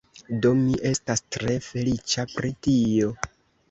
Do, mi estas tre feliĉa pri tio